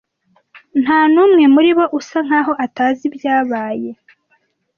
Nta n'umwe muri bo usa nkaho atazi ibyabaye.